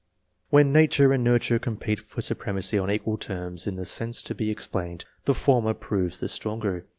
When nature and nurture compete for supre macy on equal terms in the sense to be ex plained, the former proves the stronger.